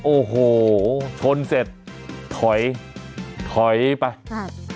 โอ้โหชนเสร็จถอยถอยไปครับ